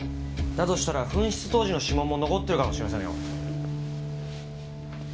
だとしたら紛失当時の指紋も残ってるかもしれませんよ。